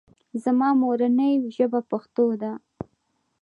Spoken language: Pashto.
زما مورنۍ ژبه پښتو ده